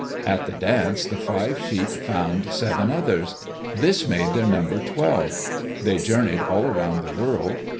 At the dance, the five sheep found seven others. This made their number twelve. They journeyed all around the world.